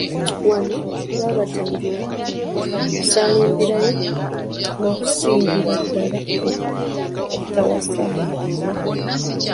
Wano baabatangiranga okusaalimbirayo n’okusingira ddala obutawasaayo.